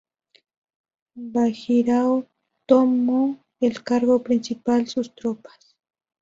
Bajirao tomó el cargo principal sus tropas.